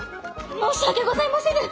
申し訳ございませぬ！